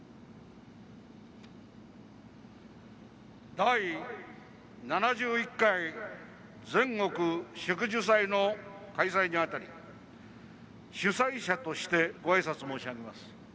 「第７１回全国植樹祭」の開催にあたり主催者としてご挨拶申し上げます。